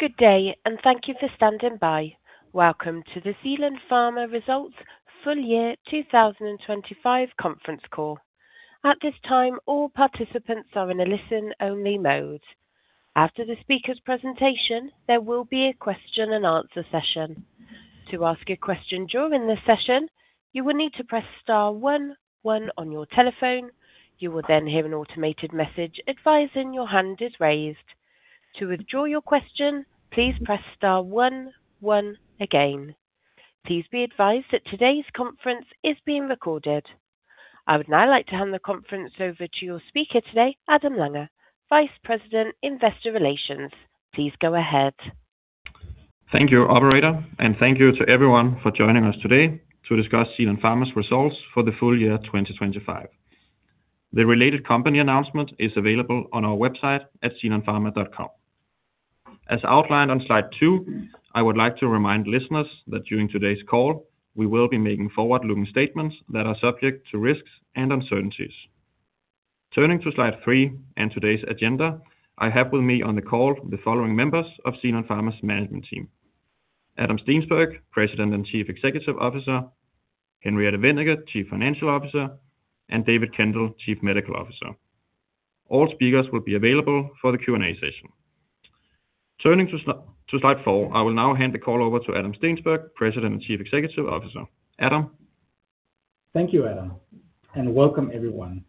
Good day, and thank you for standing by. Welcome to the Zealand Pharma Results Full Year 2025 Conference Call. At this time, all participants are in a listen-only mode. After the speaker's presentation, there will be a question and answer session. To ask a question during the session, you will need to press star one one on your telephone. You will then hear an automated message advising your hand is raised. To withdraw your question, please press star one one again. Please be advised that today's conference is being recorded. I would now like to hand the conference over to your speaker today, Adam Lange, Vice President, Investor Relations. Please go ahead. Thank you, operator, and thank you to everyone for joining us today to discuss Zealand Pharma's results for the full year 2025. The related company announcement is available on our website at zealandpharma.com. As outlined on slide two, I would like to remind listeners that during today's call, we will be making forward-looking statements that are subject to risks and uncertainties. Turning to slide three and today's agenda, I have with me on the call the following members of Zealand Pharma's management team: Adam Steensberg, President and Chief Executive Officer, Henriette Wennicke, Chief Financial Officer, and David Kendall, Chief Medical Officer. All speakers will be available for the Q&A session. Turning to slide four, I will now hand the call over to Adam Steensberg, President and Chief Executive Officer. Adam? Thank you, Adam, and welcome everyone.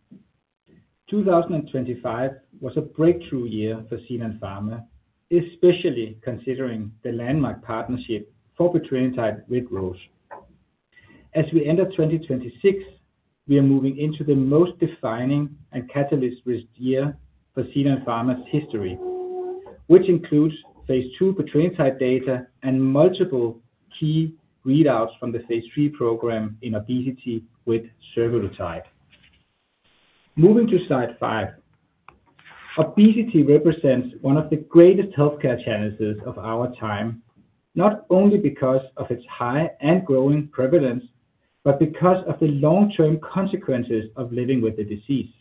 2025 was a breakthrough year for Zealand Pharma, especially considering the landmark partnership for petrelintide with Roche. As we enter 2026, we are moving into the most defining and catalyst-rich year for Zealand Pharma's history, which includes Phase II petrelintide data and multiple key readouts from the Phase III program in obesity with survodutide. Moving to slide five. Obesity represents one of the greatest healthcare challenges of our time, not only because of its high and growing prevalence, but because of the long-term consequences of living with the disease.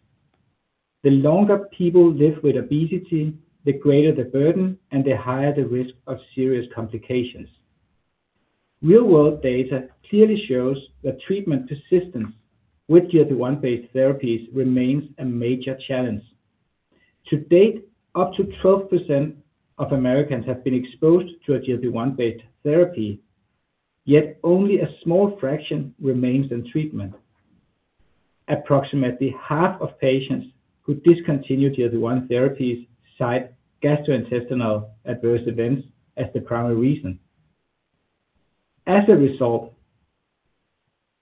The longer people live with obesity, the greater the burden and the higher the risk of serious complications. Real-world data clearly shows that treatment persistence with GLP-1-based therapies remains a major challenge. To date, up to 12% of Americans have been exposed to a GLP-1 based therapy, yet only a small fraction remains in treatment. Approximately half of patients who discontinue GLP-1 therapies cite gastrointestinal adverse events as the primary reason. As a result,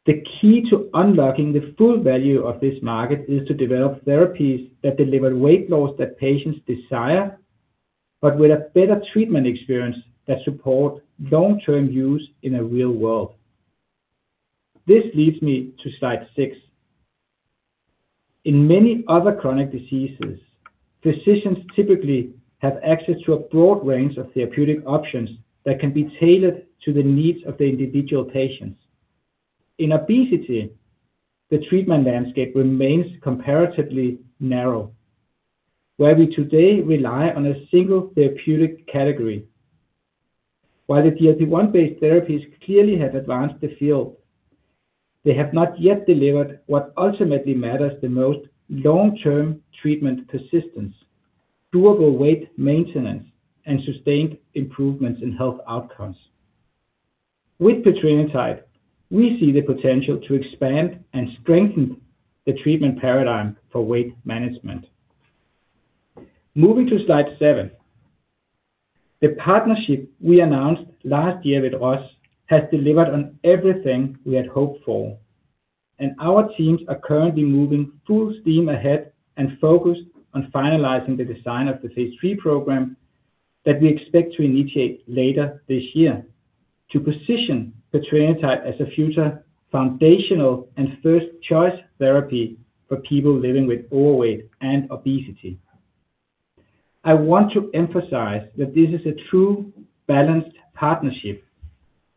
the key to unlocking the full value of this market is to develop therapies that deliver weight loss that patients desire, but with a better treatment experience that support long-term use in a real world. This leads me to slide six. In many other chronic diseases, physicians typically have access to a broad range of therapeutic options that can be tailored to the needs of the individual patients. In obesity, the treatment landscape remains comparatively narrow, where we today rely on a single therapeutic category. While the GLP-1-based therapies clearly have advanced the field, they have not yet delivered what ultimately matters the most, long-term treatment persistence, doable weight maintenance, and sustained improvements in health outcomes. With petrelintide, we see the potential to expand and strengthen the treatment paradigm for weight management. Moving to slide seven. The partnership we announced last year with Roche has delivered on everything we had hoped for, and our teams are currently moving full steam ahead and focused on finalizing the design of the Phase III program that we expect to initiate later this year, to position petrelintide as a future foundational and first choice therapy for people living with overweight and obesity. I want to emphasize that this is a true balanced partnership.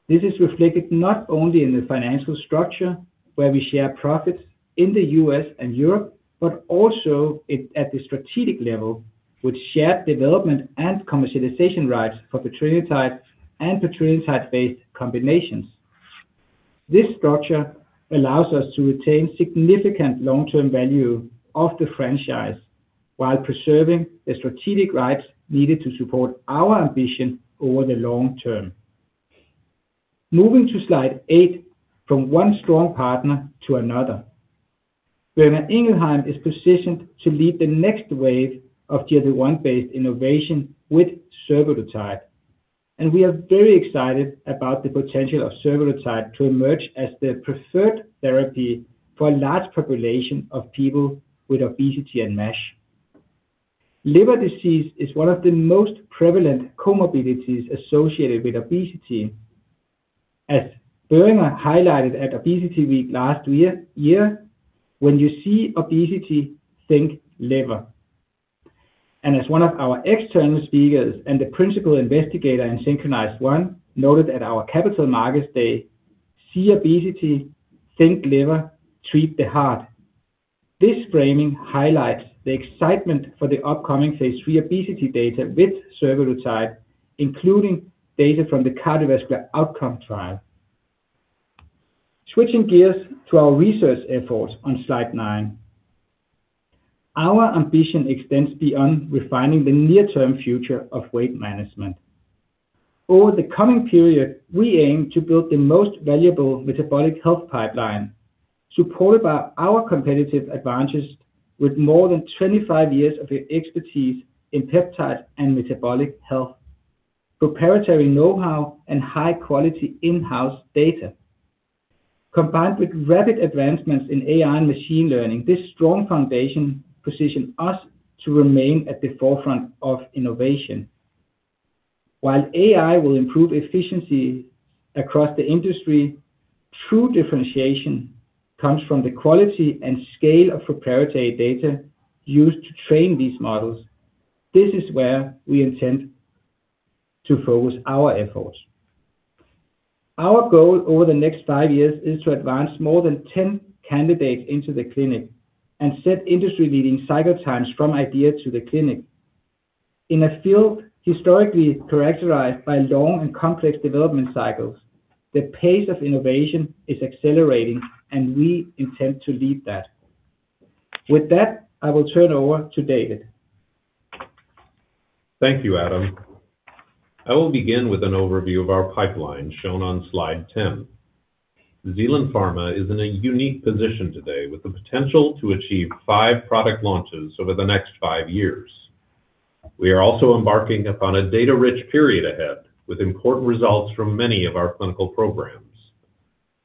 This is reflected not only in the financial structure, where we share profits in the U.S. and Europe, but also it, at the strategic level, with shared development and commercialization rights for petrelintide and petrelintide-based combinations. This structure allows us to retain significant long-term value of the franchise while preserving the strategic rights needed to support our ambition over the long term. Moving to slide eight, from one strong partner to another. Boehringer Ingelheim is positioned to lead the next wave of GLP-1-based innovation with survodutide, and we are very excited about the potential of survodutide to emerge as the preferred therapy for a large population of people with obesity and MASH. Liver disease is one of the most prevalent comorbidities associated with obesity. As Boehringer highlighted at Obesity Week last year, when you see obesity, think liver. As one of our external speakers and the principal investigator in SYNCHRONIZE-1, noted at our Capital Markets Day: "See obesity, think liver, treat the heart."... This framing highlights the excitement for the upcoming Phase III obesity data with survodutide, including data from the cardiovascular outcome trial. Switching gears to our research efforts on slide nine. Our ambition extends beyond refining the near-term future of weight management. Over the coming period, we aim to build the most valuable metabolic health pipeline, supported by our competitive advantages, with more than 25 years of expertise in peptides and metabolic health, proprietary know-how, and high-quality in-house data. Combined with rapid advancements in AI and machine learning, this strong foundation positions us to remain at the forefront of innovation. While AI will improve efficiency across the industry, true differentiation comes from the quality and scale of proprietary data used to train these models. This is where we intend to focus our efforts. Our goal over the next five years is to advance more than 10 candidates into the clinic and set industry-leading cycle times from idea to the clinic. In a field historically characterized by long and complex development cycles, the pace of innovation is accelerating, and we intend to lead that. With that, I will turn over to David. Thank you, Adam. I will begin with an overview of our pipeline, shown on slide 10. Zealand Pharma is in a unique position today with the potential to achieve five product launches over the next five years. We are also embarking upon a data-rich period ahead, with important results from many of our clinical programs.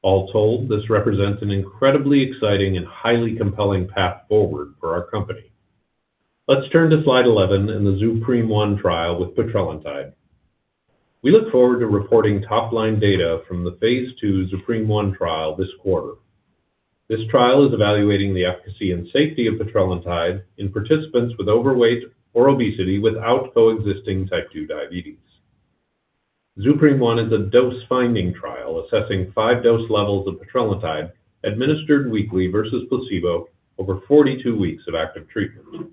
All told, this represents an incredibly exciting and highly compelling path forward for our company. Let's turn to slide 11 and the ZUPREME-1 trial with petrelintide. We look forward to reporting top-line data from the Phase II ZUPREME-1 trial this quarter. This trial is evaluating the efficacy and safety of petrelintide in participants with overweight or obesity without coexisting type 2 diabetes. ZUPREME-1 is a dose-finding trial assessing five dose levels of petrelintide administered weekly versus placebo over 42 weeks of active treatment.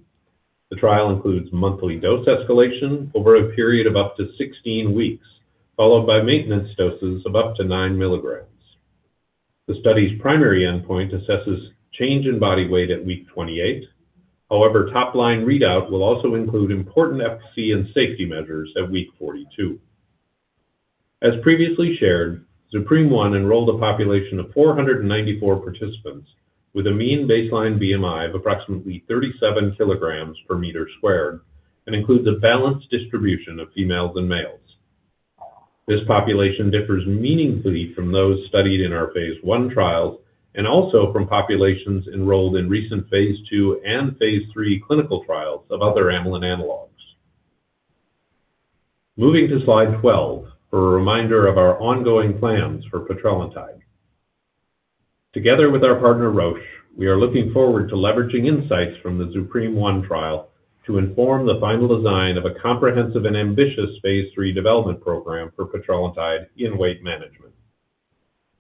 The trial includes monthly dose escalation over a period of up to 16 weeks, followed by maintenance doses of up to 9 mg. The study's primary endpoint assesses change in body weight at week 28. However, top-line readout will also include important efficacy and safety measures at week 42. As previously shared, ZUPREME-1 enrolled a population of 494 participants, with a mean baseline BMI of approximately 37 kg per meter squared and includes a balanced distribution of females and males. This population differs meaningfully from those studied in our Phase I trials and also from populations enrolled in recent Phase II and Phase III clinical trials of other amylin analogs. Moving to slide 12 for a reminder of our ongoing plans for petrelintide. Together with our partner, Roche, we are looking forward to leveraging insights from the ZUPREME-1 trial to inform the final design of a comprehensive and ambitious Phase III development program for petrelintide in weight management.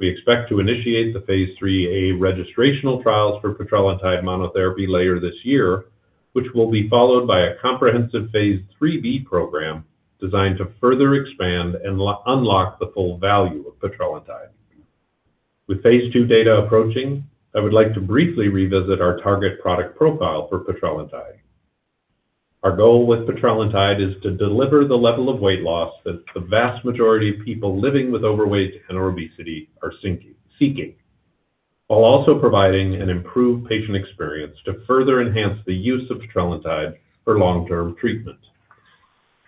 We expect to initiate the Phase III-A registrational trials for petrelintide monotherapy later this year, which will be followed by a comprehensive Phase III-B program designed to further expand and unlock the full value of petrelintide. With Phase II data approaching, I would like to briefly revisit our target product profile for petrelintide. Our goal with petrelintide is to deliver the level of weight loss that the vast majority of people living with overweight and obesity are seeking, while also providing an improved patient experience to further enhance the use of petrelintide for long-term treatment.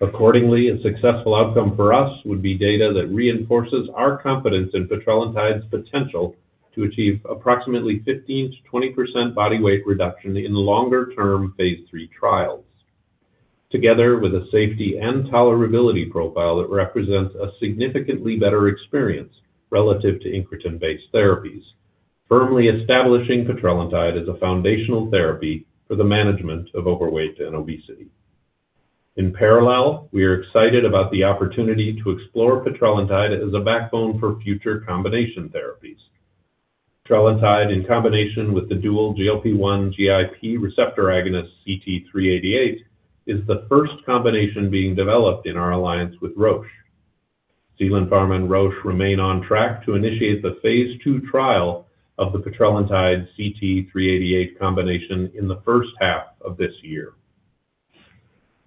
Accordingly, a successful outcome for us would be data that reinforces our confidence in petrelintide's potential to achieve approximately 15%-20% body weight reduction in the longer-term Phase III trials, together with a safety and tolerability profile that represents a significantly better experience relative to incretin-based therapies, firmly establishing petrelintide as a foundational therapy for the management of overweight and obesity. In parallel, we are excited about the opportunity to explore petrelintide as a backbone for future combination therapies. Petrelintide, in combination with the dual GLP-1/GIP receptor agonist CT-388, is the first combination being developed in our alliance with Roche. Zealand Pharma and Roche remain on track to initiate the Phase II trial of the petrelintide CT-388 combination in the first half of this year.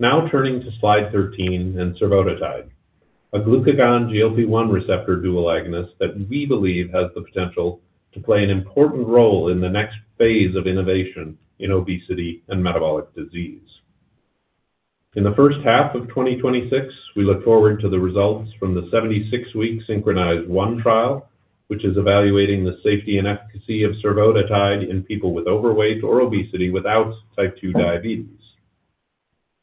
Now turning to slide 13 and survodutide, a glucagon GLP-1 receptor dual agonist that we believe has the potential to play an important role in the next phase of innovation in obesity and metabolic disease. In the first half of 2026, we look forward to the results from the 76-week SYNCHRONIZE-1 trial, which is evaluating the safety and efficacy of survodutide in people with overweight or obesity without type 2 diabetes.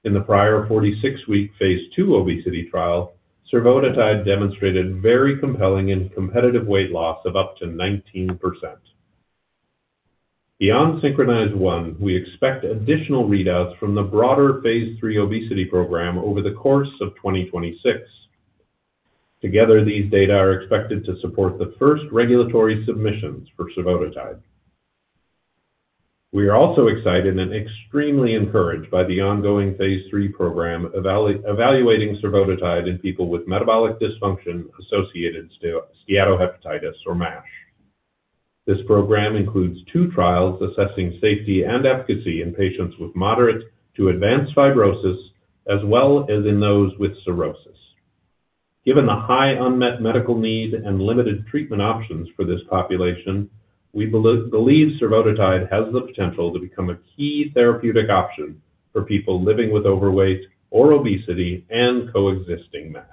In the prior 46-week Phase II obesity trial, survodutide demonstrated very compelling and competitive weight loss of up to 19%. Beyond SYNCHRONIZE-1, we expect additional readouts from the broader Phase III obesity program over the course of 2026. Together, these data are expected to support the first regulatory submissions for survodutide. We are also excited and extremely encouraged by the ongoing Phase III program, evaluating survodutide in people with metabolic dysfunction-associated steatohepatitis or MASH. This program includes two trials assessing safety and efficacy in patients with moderate to advanced fibrosis, as well as in those with cirrhosis. Given the high unmet medical need and limited treatment options for this population, we believe survodutide has the potential to become a key therapeutic option for people living with overweight or obesity and coexisting MASH.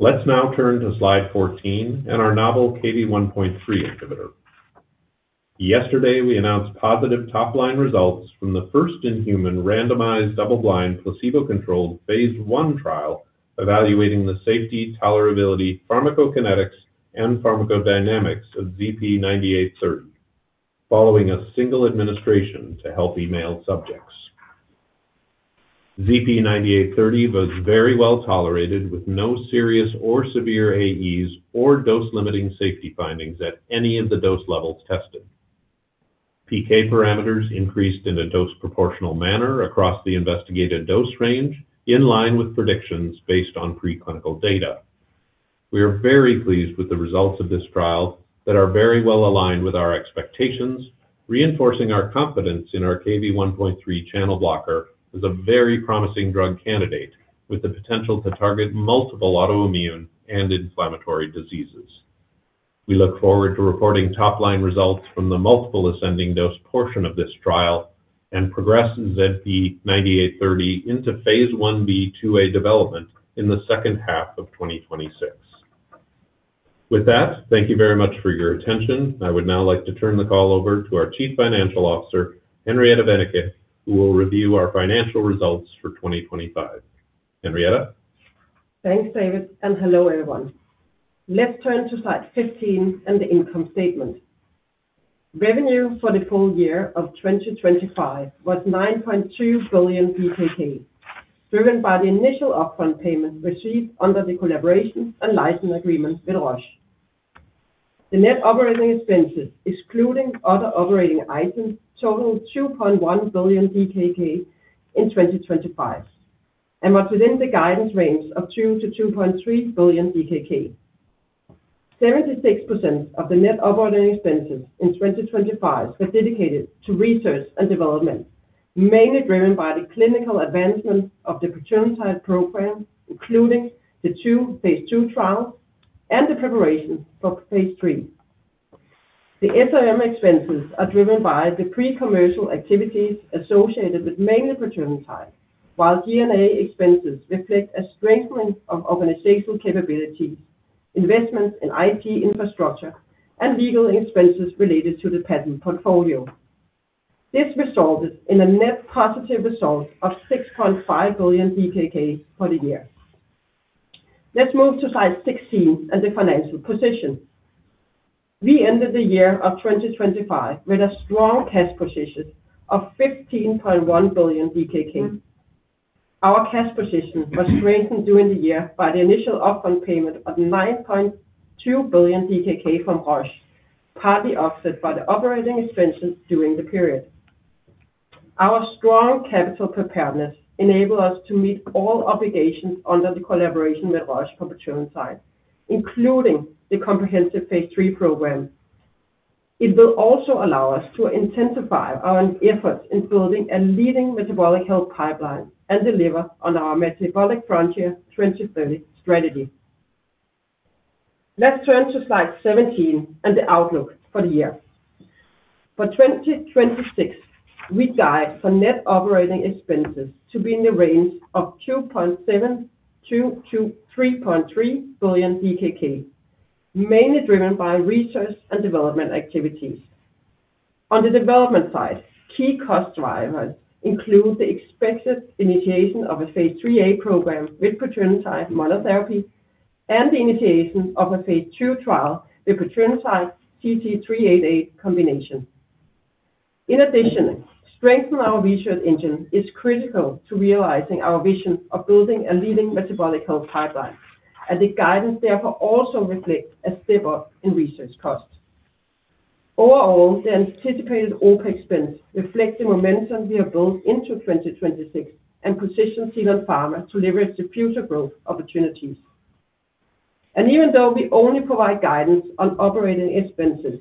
Let's now turn to slide 14 and our novel Kv1.3 inhibitor. Yesterday, we announced positive top-line results from the first-in-human randomized double-blind, placebo-controlled Phase I trial, evaluating the safety, tolerability, pharmacokinetics, and pharmacodynamics of ZP9830, following a single administration to healthy male subjects. ZP9830 was very well tolerated, with no serious or severe AEs or dose-limiting safety findings at any of the dose levels tested. PK parameters increased in a dose proportional manner across the investigated dose range, in line with predictions based on preclinical data. We are very pleased with the results of this trial that are very well aligned with our expectations, reinforcing our confidence in our Kv1.3 channel blocker as a very promising drug candidate, with the potential to target multiple autoimmune and inflammatory diseases. We look forward to reporting top-line results from the multiple ascending dose portion of this trial and progressing ZP9830 into Phase I-B/II-A development in the second half of 2026. With that, thank you very much for your attention. I would now like to turn the call over to our Chief Financial Officer, Henriette Wennicke, who will review our financial results for 2025. Henriette? Thanks, David, and hello, everyone. Let's turn to slide 15 and the income statement. Revenue for the full year of 2025 was 9.2 billion, driven by the initial upfront payment received under the collaboration and license agreement with Roche. The net operating expenses, excluding other operating items, totaled 2.1 billion DKK in 2025, and was within the guidance range of 2 billion-2.3 billion DKK. 76% of the net operating expenses in 2025 were dedicated to research and development, mainly driven by the clinical advancement of the petrelintide program, including the two Phase II trials and the preparation for Phase III. The S&M expenses are driven by the pre-commercial activities associated with mainly petrelintide, while G&A expenses reflect a strengthening of organizational capabilities, investments in IT infrastructure, and legal expenses related to the patent portfolio. This resulted in a net positive result of 6.5 billion for the year. Let's move to slide 16 and the financial position. We ended the year of 2025 with a strong cash position of 15.1 billion. Our cash position was strengthened during the year by the initial upfront payment of 9.2 billion DKK from Roche, partly offset by the operating expenses during the period. Our strong capital preparedness enabled us to meet all obligations under the collaboration with Roche for petrelintide, including the comprehensive Phase III program. It will also allow us to intensify our efforts in building a leading metabolic health pipeline and deliver on our Metabolic Frontier 2030 strategy. Let's turn to slide 17 and the outlook for the year. For 2026, we guide for net operating expenses to be in the range of 2.72 billion-3.3 billion DKK, mainly driven by research and development activities. On the development side, key cost drivers include the expected initiation of a Phase III-A program with petrelintide monotherapy, and the initiation of a Phase II trial, the petrelintide CT-388 combination. In addition, strengthen our research engine is critical to realizing our vision of building a leading metabolic health pipeline, and the guidance therefore also reflects a step up in research costs. Overall, the anticipated OpEx expense reflects the momentum we have built into 2026 and positions Zealand Pharma to leverage the future growth opportunities. Even though we only provide guidance on operating expenses,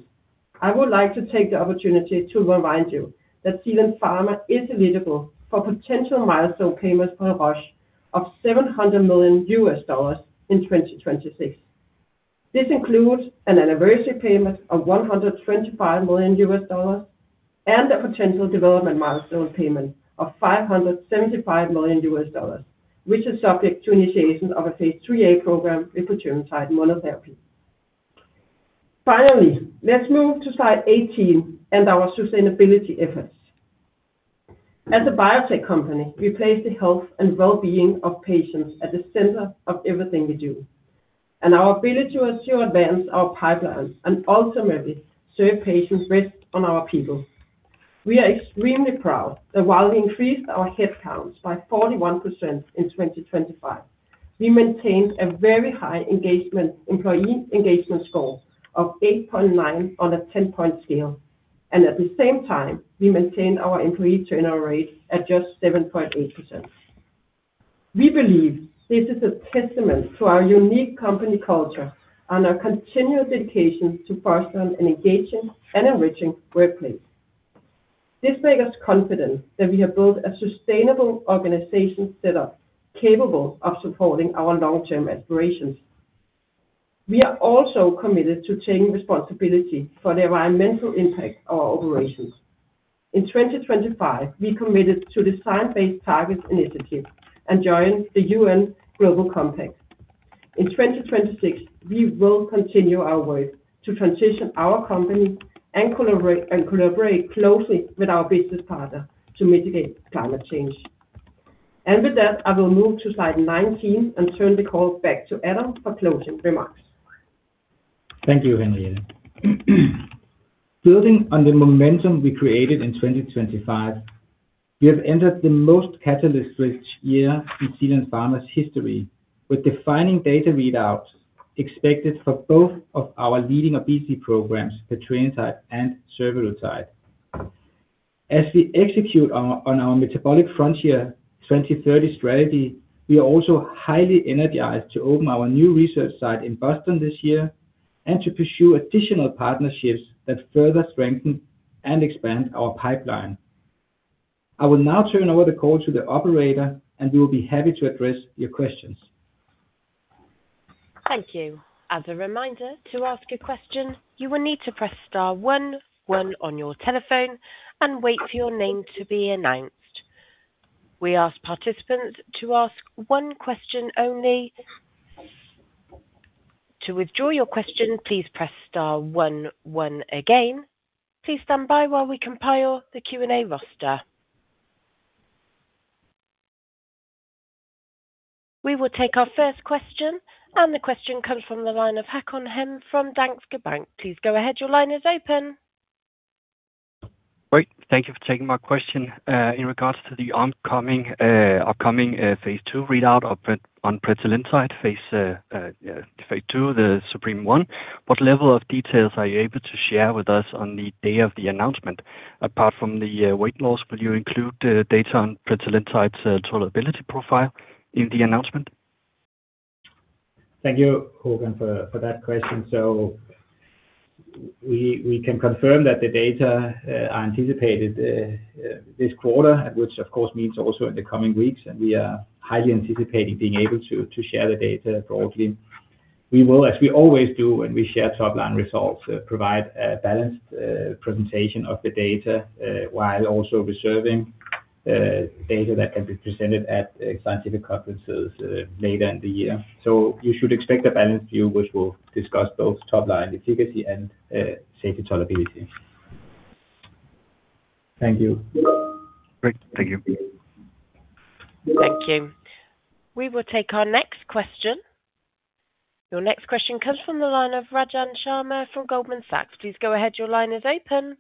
I would like to take the opportunity to remind you that Zealand Pharma is eligible for potential milestone payments from Roche of $700 million in 2026. This includes an anniversary payment of $125 million and a potential development milestone payment of $575 million, which is subject to initiation of a Phase III-A program with petrelintide monotherapy. Finally, let's move to slide 18 and our sustainability efforts. As a biotech company, we place the health and well-being of patients at the center of everything we do... and our ability to ensure advance our pipelines and ultimately serve patients rests on our people. We are extremely proud that while we increased our headcounts by 41% in 2025, we maintained a very high engagement, employee engagement score of 8.9 on a 10-point scale, and at the same time, we maintained our employee turnover rate at just 7.8%. We believe this is a testament to our unique company culture and our continuous dedication to fostering an engaging and enriching workplace. This make us confident that we have built a sustainable organization set up, capable of supporting our long-term aspirations. We are also committed to taking responsibility for the environmental impact of our operations. In 2025, we committed to the Science Based Targets initiative and joined the UN Global Compact. In 2026, we will continue our work to transition our company and collaborate, and collaborate closely with our business partners to mitigate climate change. With that, I will move to slide 19 and turn the call back to Adam for closing remarks. Thank you, Henriette. Building on the momentum we created in 2025, we have entered the most catalyst-rich year in Zealand Pharma's history, with defining data readouts expected for both of our leading obesity programs, petrelintide and survodutide. As we execute on our Metabolic Frontier 2030 strategy, we are also highly energized to open our new research site in Boston this year, and to pursue additional partnerships that further strengthen and expand our pipeline. I will now turn over the call to the operator, and we will be happy to address your questions. Thank you. As a reminder, to ask a question, you will need to press star one one on your telephone and wait for your name to be announced. We ask participants to ask one question only. To withdraw your question, please press star one one again. Please stand by while we compile the Q&A roster. We will take our first question, and the question comes from the line of Håkon Hemme from Danske Bank. Please go ahead. Your line is open. Great. Thank you for taking my question. In regards to the upcoming Phase II readout on petrelintide Phase II, the ZUPREME-1, what level of details are you able to share with us on the day of the announcement? Apart from the weight loss, will you include data on petrelintide's tolerability profile in the announcement? Thank you, Håkon, for, for that question. So we, we can confirm that the data are anticipated this quarter, which of course means also in the coming weeks, and we are highly anticipating being able to, to share the data broadly. We will, as we always do when we share top-line results, provide a balanced presentation of the data while also reserving data that can be presented at scientific conferences later in the year. So you should expect a balanced view, which will discuss both top line efficacy and safety tolerability. Thank you. Great. Thank you. Thank you. We will take our next question. Your next question comes from the line of Rajan Sharma from Goldman Sachs. Please go ahead, your line is open.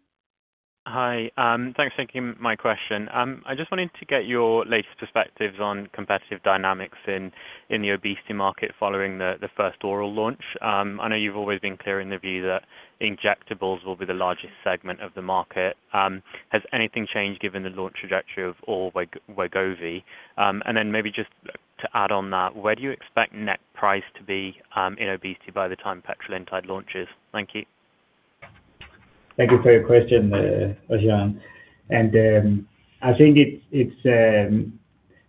Hi. Thanks for taking my question. I just wanted to get your latest perspectives on competitive dynamics in the obesity market following the first oral launch. I know you've always been clear in the view that injectables will be the largest segment of the market. Has anything changed given the launch trajectory of or Wegovy? And then maybe just to add on that, where do you expect net price to be in obesity by the time petrelintide launches? Thank you. Thank you for your question, Rajan. And, I think it's,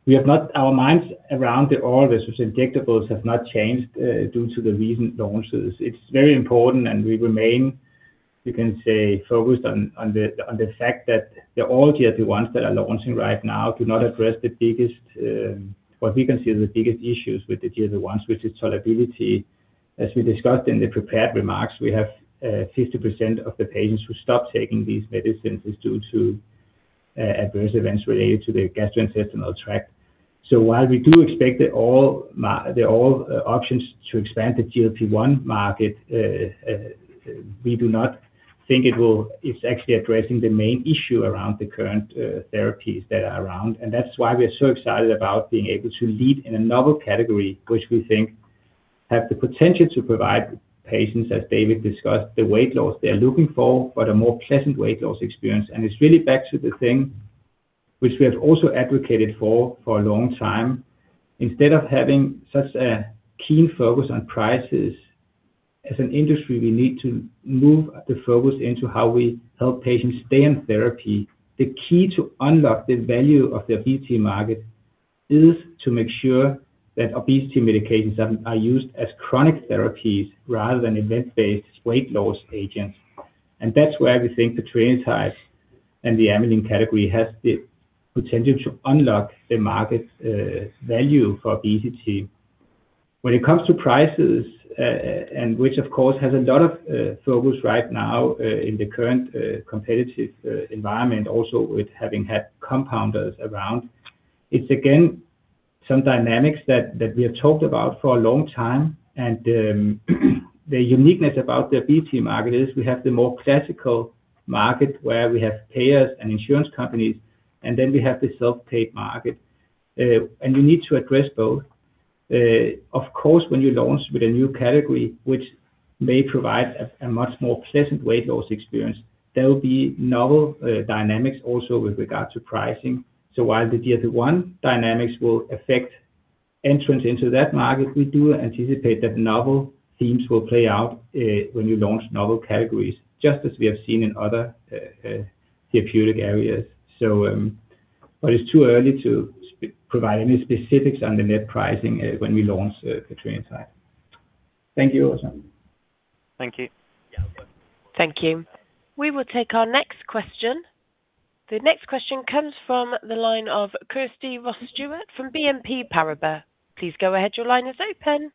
we have not our minds around the all this injectables have not changed, due to the recent launches. It's very important and we remain, we can say, focused on, on the, on the fact that the all GLP-1s that are launching right now do not address the biggest, what we consider the biggest issues with the GLP-1s, which is solubility. As we discussed in the prepared remarks, we have, 50% of the patients who stop taking these medicines is due to, adverse events related to the gastrointestinal tract. So while we do expect that all options to expand the GLP-1 market, we do not think it will—it's actually addressing the main issue around the current therapies that are around, and that's why we are so excited about being able to lead in a novel category, which we think have the potential to provide patients, as David discussed, the weight loss they are looking for, but a more pleasant weight loss experience. And it's really back to the thing which we have also advocated for, for a long time. Instead of having such a keen focus on prices, as an industry, we need to move the focus into how we help patients stay on therapy. The key to unlock the value of the obesity market is to make sure that obesity medications are used as chronic therapies rather than event-based weight loss agents. That's where we think the amylin category has the potential to unlock the market value for obesity. When it comes to prices, which of course has a lot of focus right now in the current competitive environment, also with having had compounders around. It's again some dynamics that we have talked about for a long time, and the uniqueness about the obesity market is we have the more classical market where we have payers and insurance companies, and then we have the self-pay market. You need to address both. Of course, when you launch with a new category, which may provide a much more pleasant weight loss experience, there will be novel dynamics also with regard to pricing. So while the GLP-1 dynamics will affect entrants into that market, we do anticipate that novel themes will play out when you launch novel categories, just as we have seen in other therapeutic areas. So, but it's too early to provide any specifics on the net pricing when we launch the petrelintide. Thank you, Rajan. Thank you. Thank you. We will take our next question. The next question comes from the line of Kirsty Ross-Stewart, from BNP Paribas. Please go ahead. Your line is open.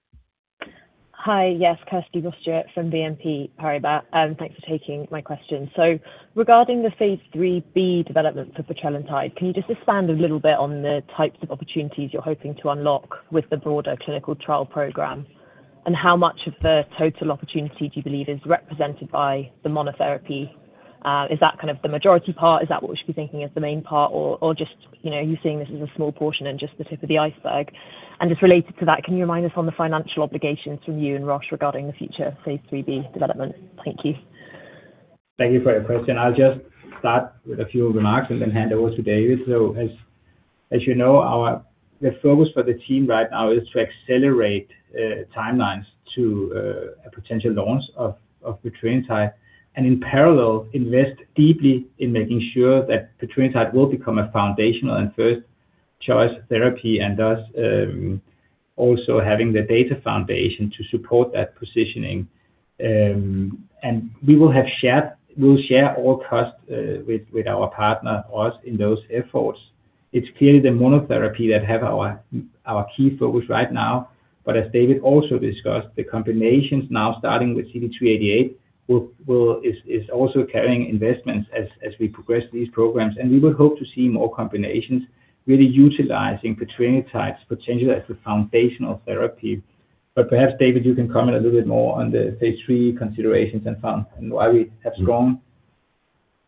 Hi. Yes, Kirsty Ross-Stewart from BNP Paribas. Thanks for taking my question. So regarding the Phase III-B development for petrelintide, can you just expand a little bit on the types of opportunities you're hoping to unlock with the broader clinical trial program? And how much of the total opportunity do you believe is represented by the monotherapy? Is that kind of the majority part? Is that what we should be thinking as the main part, or, or just, you know, are you seeing this as a small portion and just the tip of the iceberg? And just related to that, can you remind us on the financial obligations from you and Roche regarding the future Phase III-B development? Thank you. Thank you for your question. I'll just start with a few remarks and then hand over to David. So as you know, our the focus for the team right now is to accelerate timelines to a potential launch of the petrelintide, and in parallel, invest deeply in making sure that petrelintide will become a foundational and first choice therapy, and thus, also having the data foundation to support that positioning. And we will have shared- we'll share all costs with our partner, us, in those efforts. It's clearly the monotherapy that have our key focus right now. But as David also discussed, the combinations now starting with CT-388 will also carry investments as we progress these programs. And we would hope to see more combinations really utilizing petrelintide potentially as a foundational therapy. Perhaps, David, you can comment a little bit more on the Phase III considerations and why we have strong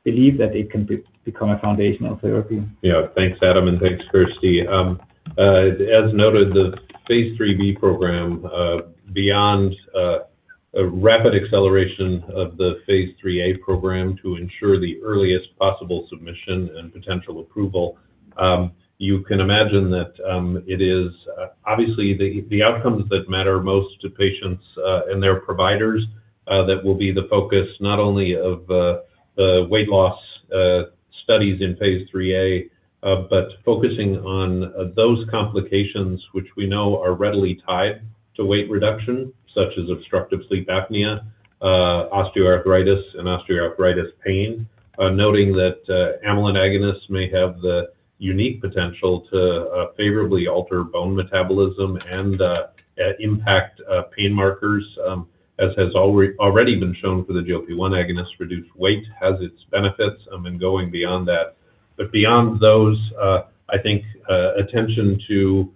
belief that it can become a foundational therapy. Yeah. Thanks, Adam, and thanks, Kirsty. As noted, the Phase III-B program, beyond a rapid acceleration of the Phase III-A program to ensure the earliest possible submission and potential approval, you can imagine that it is obviously the outcomes that matter most to patients and their providers that will be the focus not only of the weight loss studies in Phase III-A, but focusing on those complications which we know are readily tied to weight reduction, such as obstructive sleep apnea, osteoarthritis and osteoarthritis pain. Noting that amylin agonists may have the unique potential to favorably alter bone metabolism and impact pain markers, as has already been shown for the GLP-1 agonist, reduced weight has its benefits, and going beyond that. But beyond those, I think, attention to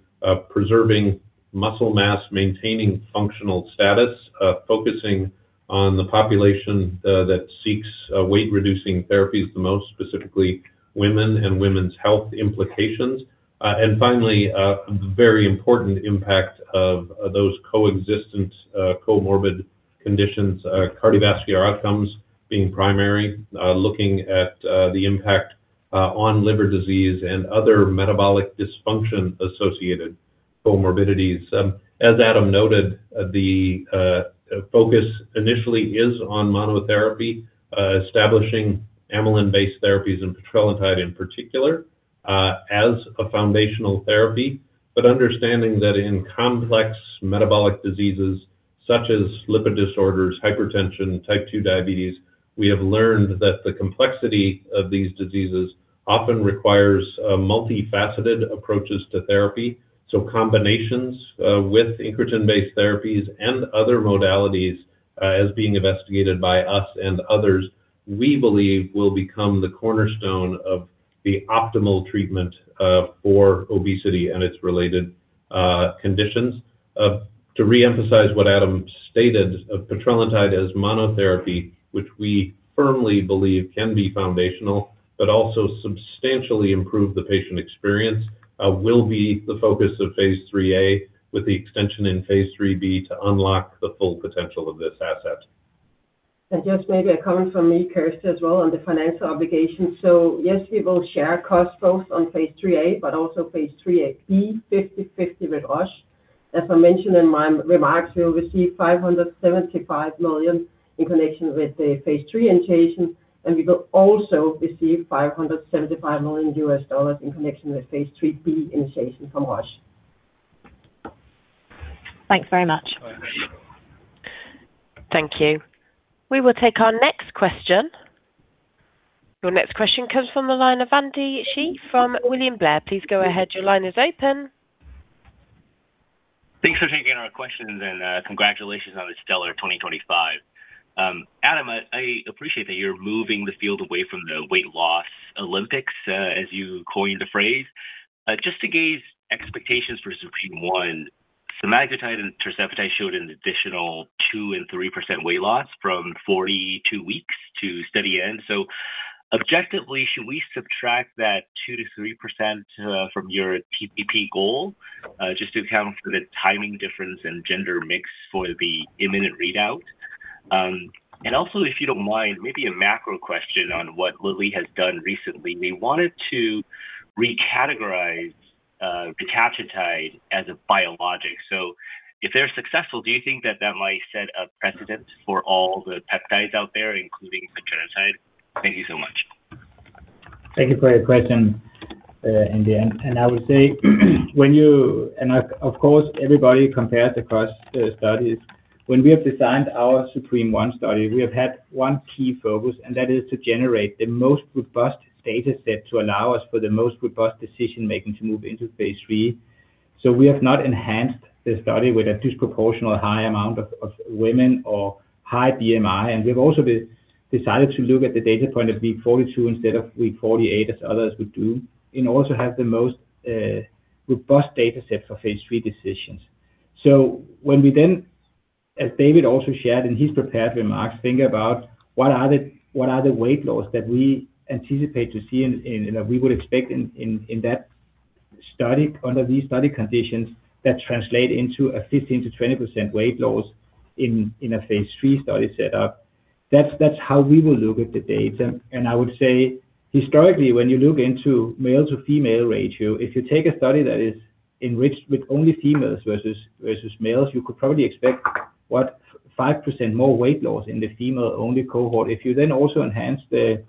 preserving muscle mass, maintaining functional status, focusing on the population that seeks weight reducing therapies the most, specifically women and women's health implications. And finally, very important impact of those coexisting comorbid conditions, cardiovascular outcomes being primary, looking at the impact on liver disease and other metabolic dysfunction-associated comorbidities. As Adam noted, the focus initially is on monotherapy, establishing amylin-based therapies and petrelintide in particular, as a foundational therapy. But understanding that in complex metabolic diseases such as lipid disorders, hypertension, type 2 diabetes, we have learned that the complexity of these diseases often requires a multifaceted approaches to therapy. So combinations with incretin-based therapies and other modalities, as being investigated by us and others, we believe will become the cornerstone of the optimal treatment for obesity and its related conditions. To reemphasize what Adam stated, petrelintide as monotherapy, which we firmly believe can be foundational, but also substantially improve the patient experience, will be the focus of Phase III-A, with the extension in Phase III-B to unlock the full potential of this asset. And just maybe a comment from me, Kirsty, as well, on the financial obligation. So yes, we will share costs both on Phase III-A, but also Phase III-B, 50/50 with Roche. As I mentioned in my remarks, we will receive $575 million in connection with the Phase III initiation, and we will also receive $575 million in connection with Phase III B initiation from Roche. Thanks very much. Thank you. We will take our next question. Your next question comes from the line of Andy Hsieh, from William Blair. Please go ahead. Your line is open.... Thanks for taking our questions, and congratulations on the stellar 2025. Adam, I appreciate that you're moving the field away from the weight loss Olympics, as you coined the phrase. Just to gauge expectations for ZUPREME-1, semaglutide and tirzepatide showed an additional 2% and 3% weight loss from 42 weeks to study end. So objectively, should we subtract that 2%-3% from your TPP goal, just to account for the timing difference and gender mix for the imminent readout? And also, if you don't mind, maybe a macro question on what Lilly has done recently. We wanted to recategorize retatrutide as a biologic. So if they're successful, do you think that that might set a precedent for all the peptides out there, including the petrelintide? Thank you so much. Thank you for your question, and I would say, when you and, of course, everybody compares across studies. When we have designed our ZUPREME-1 study, we have had one key focus, and that is to generate the most robust data set, to allow us for the most robust decision making to move into Phase III. So we have not enhanced the study with a disproportional high amount of women or high BMI. And we've also decided to look at the data point of week 42 instead of week 48, as others would do, and also have the most robust data set for Phase III decisions. So when we then, as David also shared in his prepared remarks, think about what are the weight loss that we anticipate to see in, and we would expect in that study, under these study conditions, that translate into a 15%-20% weight loss in a Phase III study setup. That's how we will look at the data. And I would say, historically, when you look into male to female ratio, if you take a study that is enriched with only females versus males, you could probably expect, what? 5% more weight loss in the female-only cohort. If you then also enhance the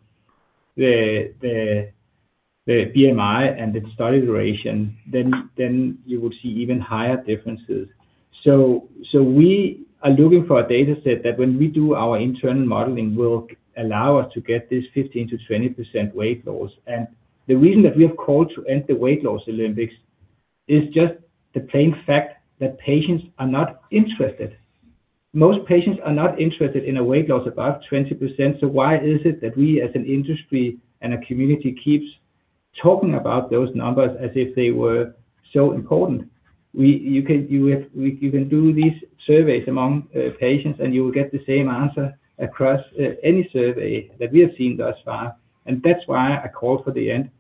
BMI and the study duration, then you will see even higher differences. So we are looking for a data set that when we do our internal modeling work, allow us to get this 15%-20% weight loss. The reason that we have called to end the weight loss Olympics is just the plain fact that patients are not interested. Most patients are not interested in a weight loss above 20%. So why is it that we, as an industry and a community, keeps talking about those numbers as if they were so important? You can do these surveys among patients, and you will get the same answer across any survey that we have seen thus far, and that's why I called for the end.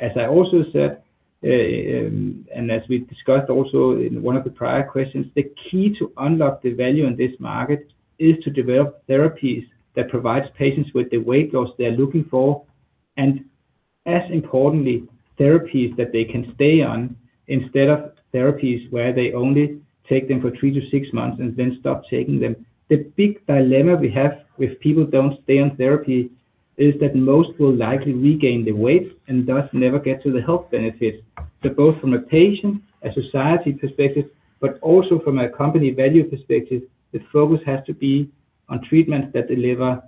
As I also said, and as we discussed also in one of the prior questions, the key to unlock the value in this market is to develop therapies that provides patients with the weight loss they're looking for, and as importantly, therapies that they can stay on, instead of therapies where they only take them for three to six months and then stop taking them. The big dilemma we have with people don't stay on therapy, is that most will likely regain the weight and thus never get to the health benefits. So both from a patient, a society perspective, but also from a company value perspective, the focus has to be on treatments that deliver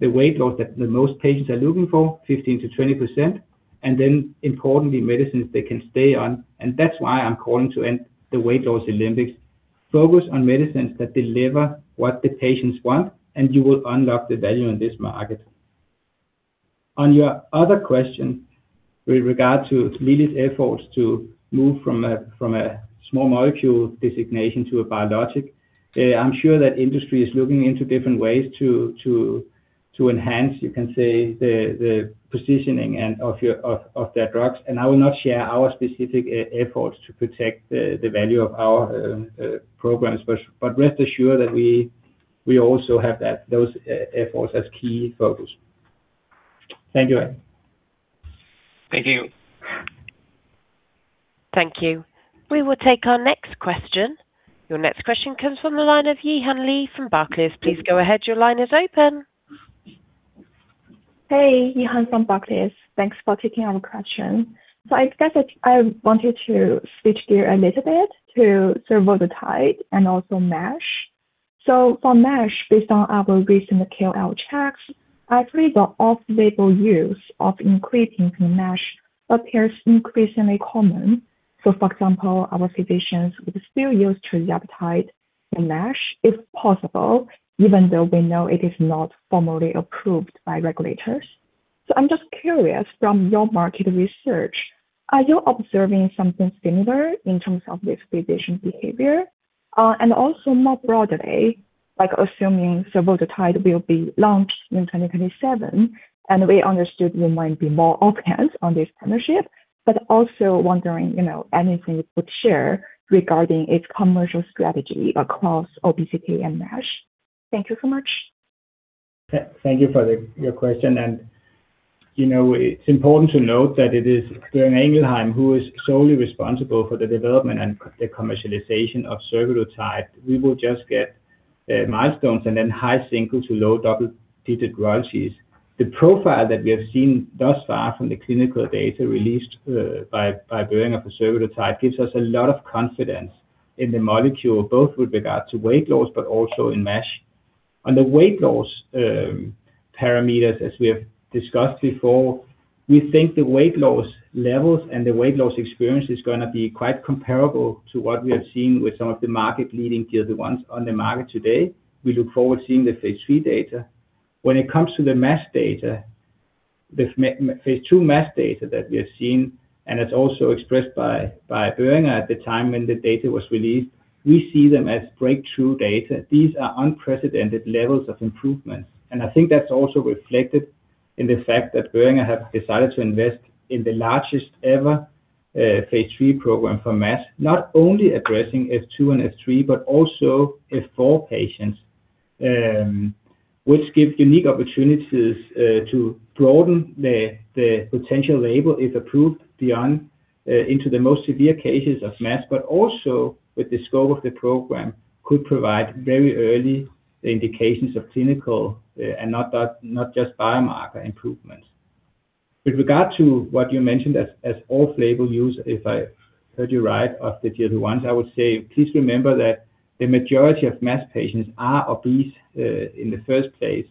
the weight loss that the most patients are looking for, 15%-20%, and then importantly, medicines they can stay on. That's why I'm calling to end the weight loss Olympics. Focus on medicines that deliver what the patients want, and you will unlock the value in this market. On your other question, with regard to Lilly's efforts to move from a small molecule designation to a biologic, I'm sure that industry is looking into different ways to enhance, you can say, the positioning of their drugs. And I will not share our specific efforts to protect the value of our programs. But rest assured that we also have those efforts as key focus. Thank you, Adam. Thank you. Thank you. We will take our next question. Your next question comes from the line of Yihan Li from Barclays. Please go ahead. Your line is open. Hey, Yihan from Barclays. Thanks for taking our question. So I guess I wanted to switch gear a little bit to survodutide and also MASH. So for MASH, based on our recent KOL checks, I agree the off-label use of incretins in MASH appears increasingly common. So, for example, our physicians would still use tirzepatide in MASH if possible, even though we know it is not formally approved by regulators. So I'm just curious, from your market research, are you observing something similar in terms of this physician behavior? And also more broadly, like assuming survodutide will be launched in 2027, and we understood you might be more open on this partnership, but also wondering, you know, anything you could share regarding its commercial strategy across obesity and MASH. Thank you so much. Thank you for your question. You know, it's important to note that it is Boehringer Ingelheim who is solely responsible for the development and the commercialization of survodutide. We will just get milestones and then high single-digit to low double-digit royalties. The profile that we have seen thus far from the clinical data released by Boehringer survodutide gives us a lot of confidence in the molecule, both with regard to weight loss but also in MASH. On the weight loss parameters, as we have discussed before, we think the weight loss levels and the weight loss experience is gonna be quite comparable to what we have seen with some of the market-leading GLP-1s on the market today. We look forward to seeing the Phase III data. When it comes to the MASH data, the Phase II MASH data that we have seen, and it's also expressed by Boehringer at the time when the data was released, we see them as breakthrough data. These are unprecedented levels of improvement, and I think that's also reflected in the fact that Boehringer have decided to invest in the largest ever Phase III program for MASH, not only addressing F2 and F3, but also F4 patients. Which gives unique opportunities to broaden the potential label, if approved, beyond into the most severe cases of MASH, but also with the scope of the program, could provide very early indications of clinical and not just biomarker improvements. With regard to what you mentioned as off-label use, if I heard you right, of the GLP-1, I would say, please remember that the majority of MASH patients are obese in the first place,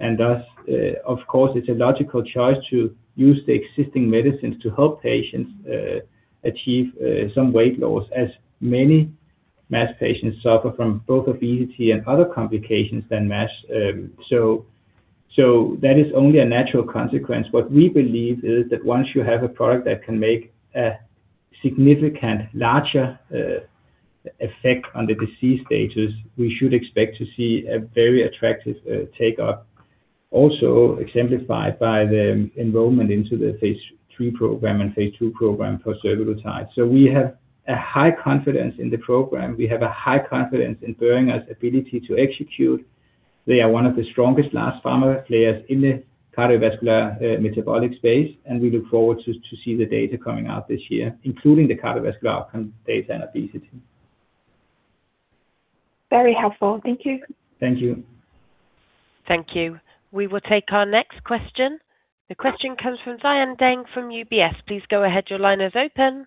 and thus, of course, it's a logical choice to use the existing medicines to help patients achieve some weight loss, as many MASH patients suffer from both obesity and other complications than MASH. So that is only a natural consequence. What we believe is that once you have a product that can make a significant larger effect on the disease stages, we should expect to see a very attractive take-up, also exemplified by the enrollment into the Phase III program and Phase II program for survodutide. So we have a high confidence in the program. We have a high confidence in Boehringer's ability to execute. They are one of the strongest large pharma players in the cardiovascular, metabolic space, and we look forward to see the data coming out this year, including the cardiovascular outcome data and obesity. Very helpful. Thank you. Thank you. Thank you. We will take our next question. The question comes from Xian Deng from UBS. Please go ahead. Your line is open.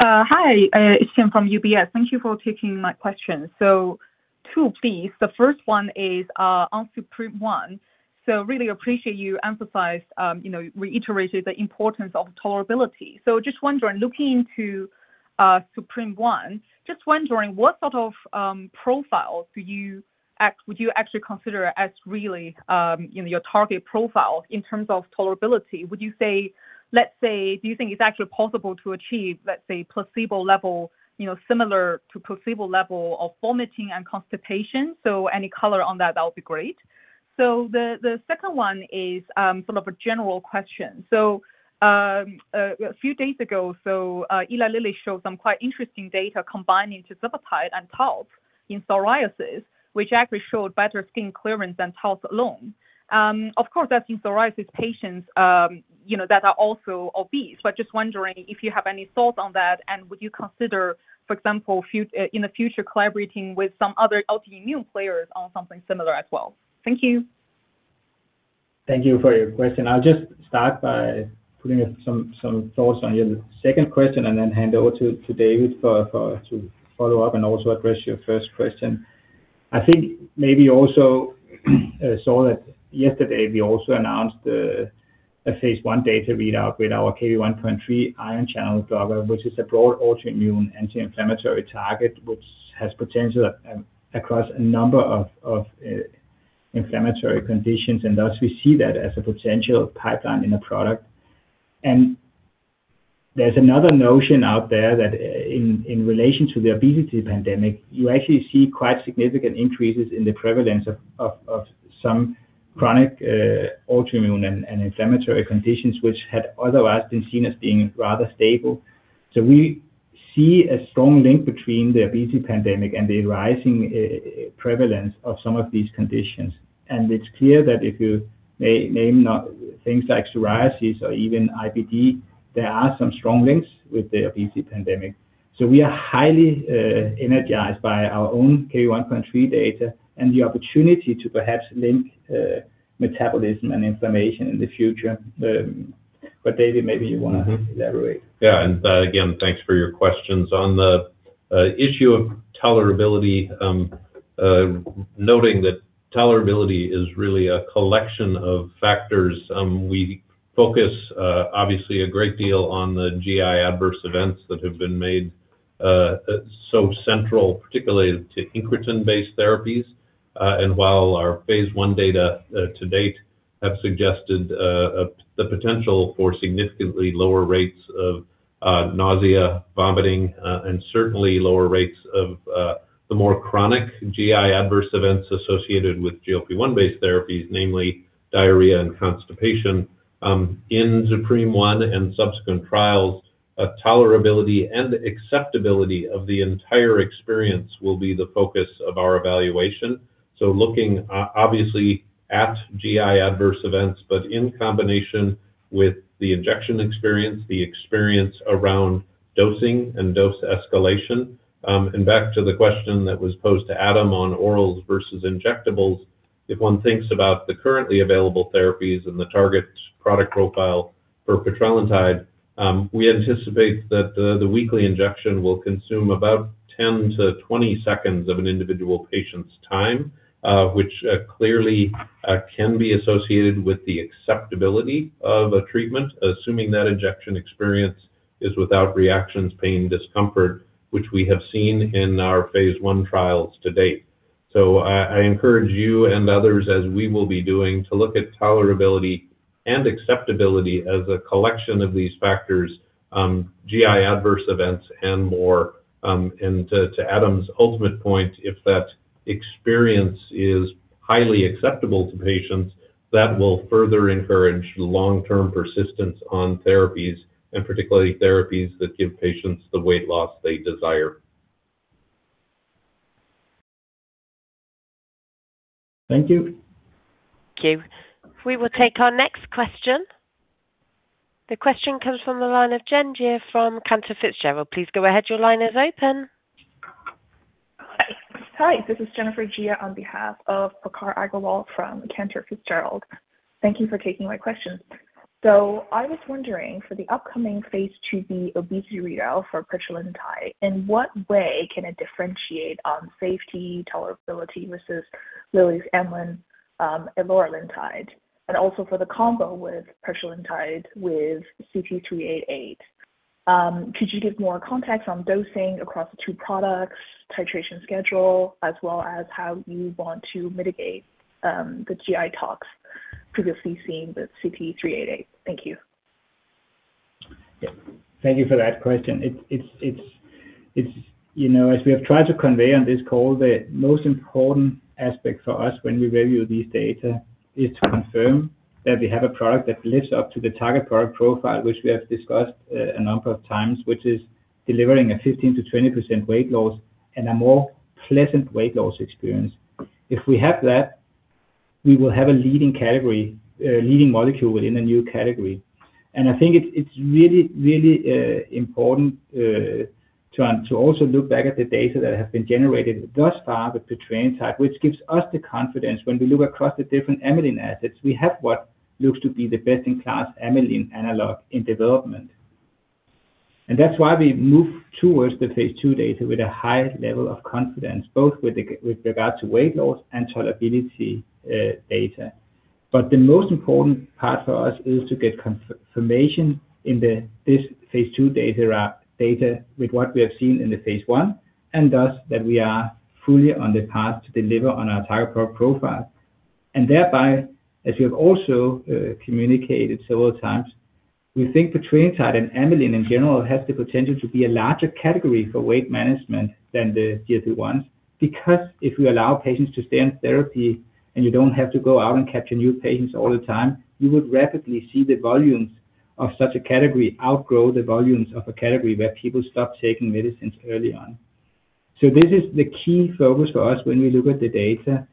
Hi, it's Xian from UBS. Thank you for taking my question. So two please. The first one is on ZUPREME-1. So really appreciate you emphasize, you know, reiterated the importance of tolerability. So just wondering, looking into ZUPREME-1, just wondering, what sort of profile do you would you actually consider as really, you know, your target profile in terms of tolerability? Would you say, let's say, do you think it's actually possible to achieve, let's say, placebo level, you know, similar to placebo level of vomiting and constipation? So any color on that, that would be great. So the second one is sort of a general question. So a few days ago, Eli Lilly showed some quite interesting data combining tirzepatide and Taltz in psoriasis, which actually showed better skin clearance than Taltz alone. Of course, that's in psoriasis patients, you know, that are also obese, but just wondering if you have any thoughts on that, and would you consider, for example, in the future, collaborating with some other autoimmune players on something similar as well? Thank you. Thank you for your question. I'll just start by putting some thoughts on your second question and then hand over to David to follow up and also address your first question. I think maybe you also saw that yesterday, we also announced a Phase I data readout with our Kv1.3 ion channel blocker, which is a broad autoimmune anti-inflammatory target, which has potential across a number of inflammatory conditions, and thus we see that as a potential pipeline in a product. And there's another notion out there that in relation to the obesity pandemic, you actually see quite significant increases in the prevalence of some chronic autoimmune and inflammatory conditions, which had otherwise been seen as being rather stable. So we see a strong link between the obesity pandemic and the rising prevalence of some of these conditions. It's clear that if you name things like psoriasis or even IBD, there are some strong links with the obesity pandemic. We are highly energized by our own Kv1.3 data and the opportunity to perhaps link metabolism and inflammation in the future. But David, maybe you wanna elaborate. Mm-hmm. Yeah, and again, thanks for your questions. On the issue of tolerability, noting that tolerability is really a collection of factors, we focus, obviously, a great deal on the GI adverse events that have been made so central, particularly to incretin-based therapies. And while our Phase I data to date have suggested the potential for significantly lower rates of nausea, vomiting, and certainly lower rates of the more chronic GI adverse events associated with GLP-1-based therapies, namely diarrhea and constipation. In ZUPREME-1 and subsequent trials, tolerability and acceptability of the entire experience will be the focus of our evaluation. So looking, obviously, at GI adverse events, but in combination with the injection experience, the experience around dosing and dose escalation. Back to the question that was posed to Adam on orals versus injectables. If one thinks about the currently available therapies and the target product profile for petrelintide, we anticipate that the weekly injection will consume about 10-20 seconds of an individual patient's time, which clearly can be associated with the acceptability of a treatment, assuming that injection experience is without reactions, pain, discomfort, which we have seen in our Phase I trials to date. So I encourage you and others, as we will be doing, to look at tolerability and acceptability as a collection of these factors, GI adverse events and more. To Adam's ultimate point, if that experience is highly acceptable to patients, that will further encourage long-term persistence on therapies, and particularly therapies that give patients the weight loss they desire. Thank you. Thank you. We will take our next question. The question comes from the line of Jen Jia from Cantor Fitzgerald. Please go ahead. Your line is open. Hi, this is Jennifer Jia, on behalf of Prakhar Agrawal from Cantor Fitzgerald. Thank you for taking my questions. So I was wondering, for the upcoming Phase II-B obesity readout for petrelintide, in what way can it differentiate on safety, tolerability versus Lilly's amylin, eloralintide, and also for the combo with petrelintide with CT-388? Could you give more context on dosing across the two products, titration schedule, as well as how you want to mitigate, the GI tox previously seen with CT-388? Thank you. Yeah. Thank you for that question. It's, you know, as we have tried to convey on this call, the most important aspect for us when we review these data is to confirm that we have a product that lives up to the target product profile, which we have discussed a number of times, which is delivering a 15%-20% weight loss and a more pleasant weight loss experience. If we have that, we will have a leading category, leading molecule within a new category. And I think it's really, really important to also look back at the data that has been generated thus far with petrelintide, which gives us the confidence when we look across the different amylin assets, we have what looks to be the best-in-class amylin analog in development. That's why we move towards the Phase II data with a high level of confidence, both with regard to weight loss and tolerability data. But the most important part for us is to get confirmation in this Phase II data with what we have seen in the Phase I, and thus that we are fully on the path to deliver on our target product profile. And thereby, as we have also communicated several times, we think petrelintide and amylin in general has the potential to be a larger category for weight management than the GLP-1, because if you allow patients to stay on therapy and you don't have to go out and capture new patients all the time, you would rapidly see the volumes of such a category outgrow the volumes of a category where people stop taking medicines early on. So this is the key focus for us when we look at the data,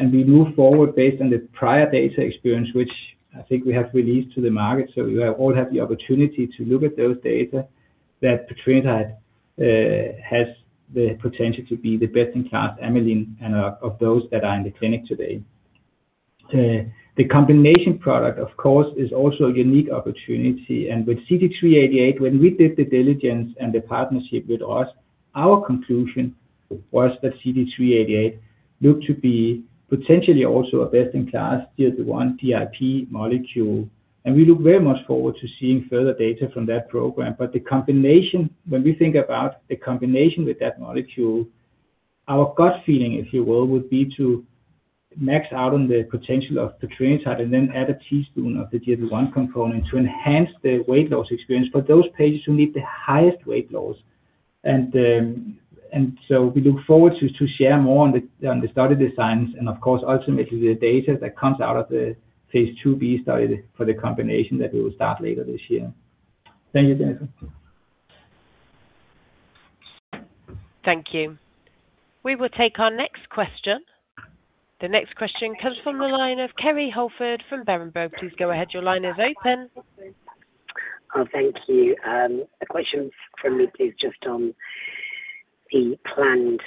and we move forward based on the prior data experience, which I think we have released to the market. So you all have the opportunity to look at those data that petrelintide has the potential to be the best-in-class amylin, and of those that are in the clinic today. The combination product, of course, is also a unique opportunity, and with CT-388, when we did the diligence and the partnership with us, our conclusion was that CT-388 looked to be potentially also a best-in-class tier one GIP molecule, and we look very much forward to seeing further data from that program. But the combination, when we think about the combination with that molecule, our gut feeling, if you will, would be to max out on the potential of petrelintide and then add a teaspoon of the GLP-1 component to enhance the weight loss experience for those patients who need the highest weight loss. And so we look forward to share more on the study designs and of course, ultimately the data that comes out of the Phase II-B study for the combination that we will start later this year. Thank you, Jennifer. Thank you. We will take our next question. The next question comes from the line of Kerry Holford from Berenberg. Please go ahead. Your line is open. Thank you. The question from me is just on the planned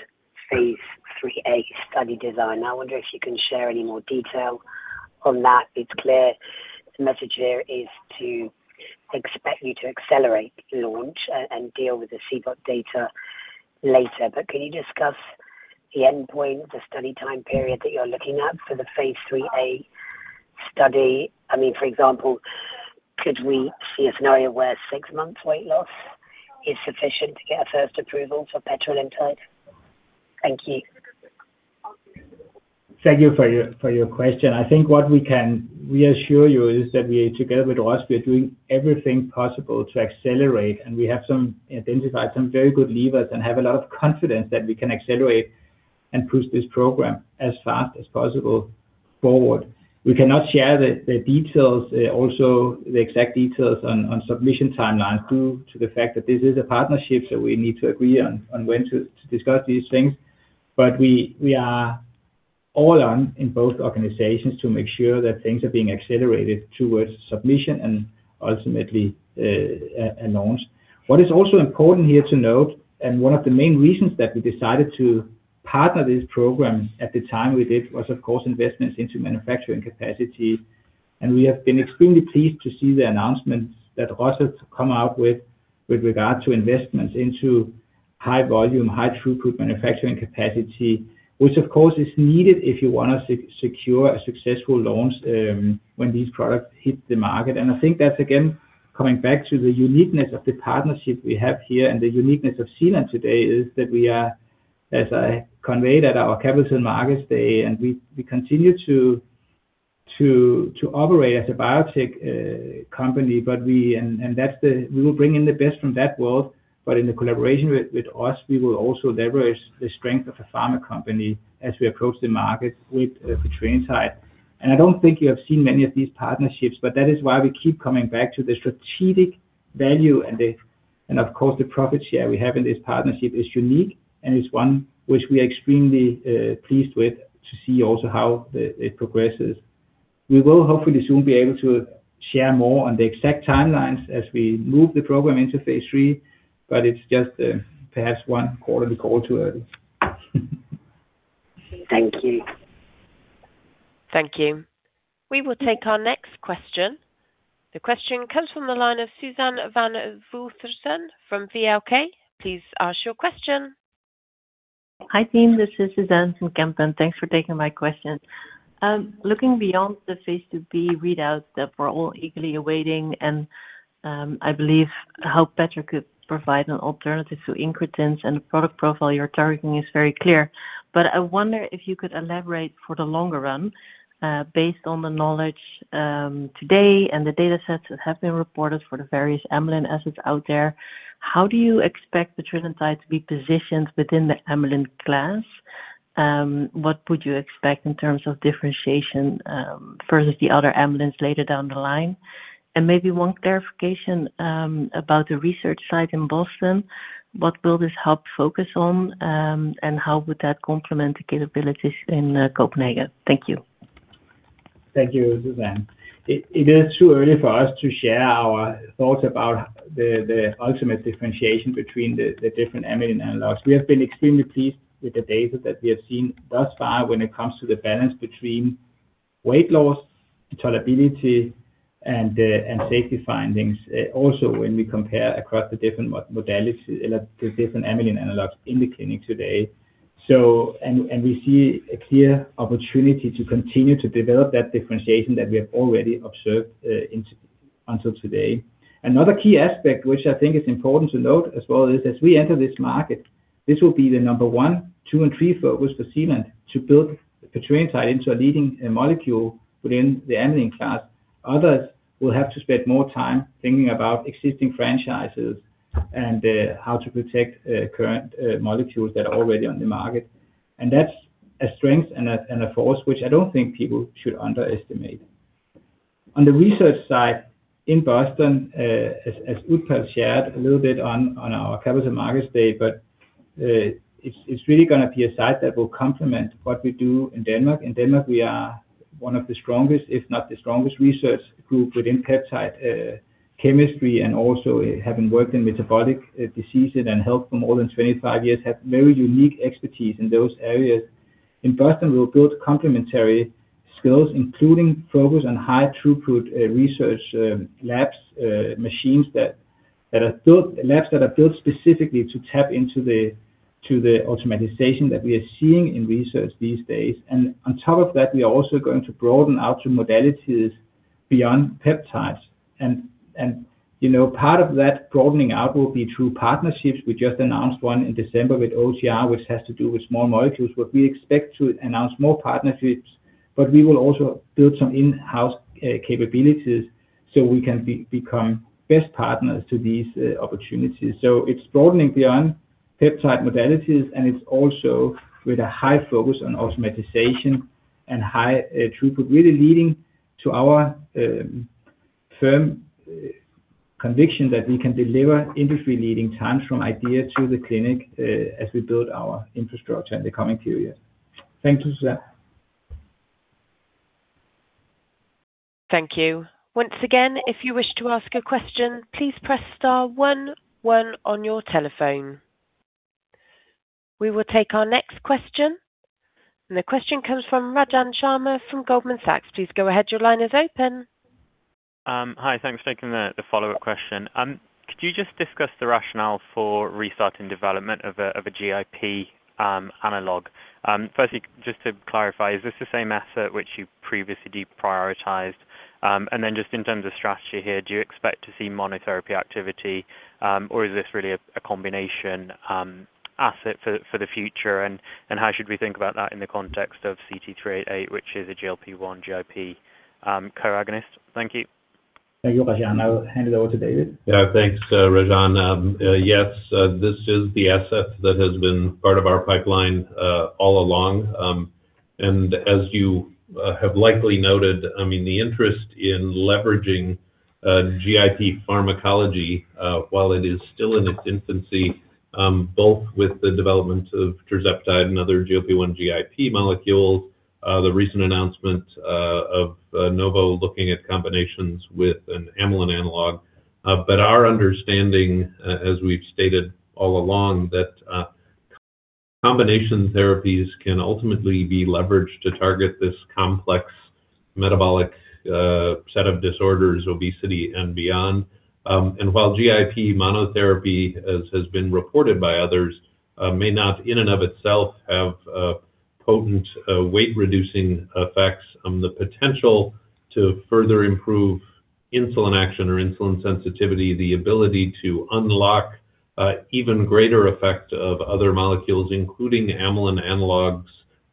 Phase III-A study design. I wonder if you can share any more detail on that. It's clear the message there is to expect you to accelerate, launch, and deal with the CVOT data later. But can you discuss the endpoint, the study time period that you're looking at for the Phase III-A study? I mean, for example, could we see a scenario where six months weight loss is sufficient to get a first approval for petrelintide? Thank you. Thank you for your question. I think what we can reassure you is that we are together with us, we are doing everything possible to accelerate, and we have identified some very good levers and have a lot of confidence that we can accelerate and push this program as fast as possible forward. We cannot share the details, also the exact details on submission timelines due to the fact that this is a partnership, so we need to agree on when to discuss these things. But we are all on in both organizations to make sure that things are being accelerated towards submission and ultimately announced. What is also important here to note, and one of the main reasons that we decided to partner this program at the time we did, was, of course, investments into manufacturing capacity. And we have been extremely pleased to see the announcements that Roche has come out with, with regard to investments into high volume, high throughput manufacturing capacity, which of course is needed if you want to secure a successful launch, when these products hit the market. And I think that's, again, coming back to the uniqueness of the partnership we have here, and the uniqueness of Zealand today, is that we are, as I conveyed at our Capital Markets Day, and we continue to operate as a biotech company, but we will bring in the best from that world, but in the collaboration with us, we will also leverage the strength of a pharma company as we approach the market with the petrelintide. I don't think you have seen many of these partnerships, but that is why we keep coming back to the strategic value, and the, and of course, the profit share we have in this partnership is unique, and it's one which we are extremely pleased with, to see also how it progresses. We will hopefully soon be able to share more on the exact timelines as we move the program into Phase III, but it's just perhaps one quarterly call too early. Thank you. Thank you. We will take our next question. The question comes from the line of Suzanne van Voorthuizen from VLK. Please ask your question. Hi, team, this is Suzanne from Kempen. Thanks for taking my question. Looking beyond the Phase II-B readout that we're all eagerly awaiting, and I believe help petrelintide could provide an alternative to incretins, and the product profile you're targeting is very clear. But I wonder if you could elaborate for the longer run, based on the knowledge today, and the data sets that have been reported for the various amylin assets out there, how do you expect petrelintide to be positioned within the amylin class? What would you expect in terms of differentiation versus the other amylins later down the line? And maybe one clarification about the research site in Boston. What will this help focus on, and how would that complement the capabilities in Copenhagen? Thank you. Thank you, Suzanne. It is too early for us to share our thoughts about the ultimate differentiation between the different amylin analogs. We have been extremely pleased with the data that we have seen thus far when it comes to the balance between weight loss, tolerability, and safety findings. Also, when we compare across the different modalities, the different amylin analogs in the clinic today. So. And we see a clear opportunity to continue to develop that differentiation that we have already observed until today. Another key aspect, which I think is important to note as well, is as we enter this market, this will be the number one, two, and three focus for Zealand, to build the petrelintide into a leading molecule within the amylin class. Others will have to spend more time thinking about existing franchises and how to protect current molecules that are already on the market. And that's a strength and a force, which I don't think people should underestimate. On the research side, in Boston, as Utpal shared a little bit on our Capital Markets Day, but it's really gonna be a site that will complement what we do in Denmark. In Denmark, we are one of the strongest, if not the strongest research group within peptide chemistry, and also having worked in metabolic diseases and health for more than 25 years, have very unique expertise in those areas. In Boston, we'll build complementary skills, including focus on high throughput research labs, machines that are built—labs that are built specifically to tap into the automation that we are seeing in research these days. And on top of that, we are also going to broaden out to modalities beyond peptides. And, you know, part of that broadening out will be through partnerships. We just announced one in December with OTR, which has to do with small molecules, but we expect to announce more partnerships, but we will also build some in-house capabilities, so we can become best partners to these opportunities. So it's broadening beyond peptide modalities, and it's also with a high focus on automation and high throughput, really leading to our firm conviction that we can deliver industry-leading times from idea to the clinic, as we build our infrastructure in the coming period. Thank you, Suzanne. Thank you. Once again, if you wish to ask a question, please press star one one on your telephone. We will take our next question, and the question comes from Rajan Sharma from Goldman Sachs. Please go ahead. Your line is open. Hi. Thanks for taking the follow-up question. Could you just discuss the rationale for restarting development of a GIP analog? Firstly, just to clarify, is this the same asset which you previously deprioritized? And then just in terms of strategy here, do you expect to see monotherapy activity, or is this really a combination asset for the future? And how should we think about that in the context of CT-388, which is a GLP-1 GIP co-agonist? Thank you. Thank you, Rajan. I'll hand it over to David. Yeah, thanks, Rajan. Yes, this is the asset that has been part of our pipeline all along. And as you have likely noted, I mean, the interest in leveraging GIP pharmacology while it is still in its infancy both with the development of tirzepatide and other GLP-1 GIP molecules, the recent announcement of Novo looking at combinations with an amylin analog.... But our understanding, as we've stated all along, that combination therapies can ultimately be leveraged to target this complex metabolic set of disorders, obesity and beyond. And while GIP monotherapy, as has been reported by others, may not in and of itself have potent weight-reducing effects on the potential to further improve insulin action or insulin sensitivity, the ability to unlock even greater effect of other molecules, including amylin analogs,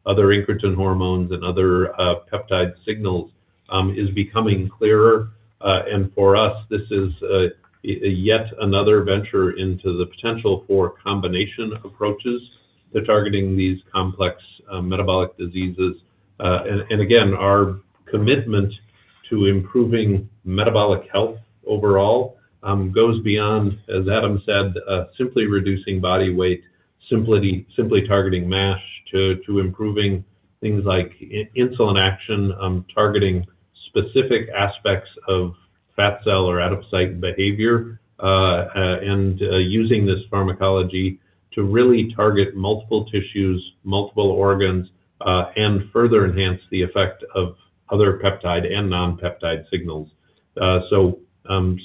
other incretin hormones, and other peptide signals, is becoming clearer. And for us, this is yet another venture into the potential for combination approaches to targeting these complex metabolic diseases. And again, our commitment to improving metabolic health overall goes beyond, as Adam said, simply reducing body weight, simply targeting MASH, to improving things like insulin action, targeting specific aspects of fat cell or adipocyte behavior. And using this pharmacology to really target multiple tissues, multiple organs, and further enhance the effect of other peptide and non-peptide signals. So,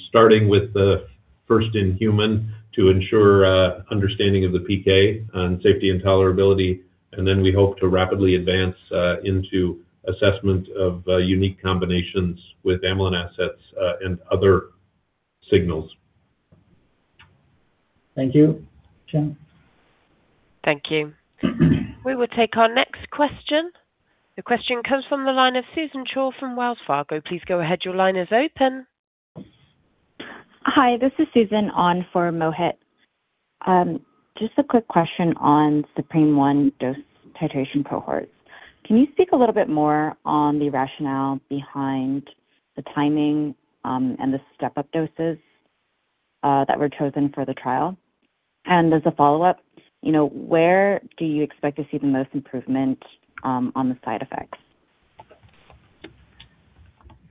starting with the first-in-human to ensure understanding of the PK and safety and tolerability, and then we hope to rapidly advance into assessment of unique combinations with amylin assets and other signals. Thank you. Rajan. Thank you. We will take our next question. The question comes from the line of Susan Shaw from Wells Fargo. Please go ahead. Your line is open. Hi, this is Susan on for Mohit. Just a quick question on ZUPREME-1 dose titration cohorts. Can you speak a little bit more on the rationale behind the timing, and the step-up doses, that were chosen for the trial? And as a follow-up, you know, where do you expect to see the most improvement, on the side effects?